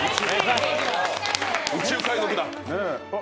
宇宙海賊だ！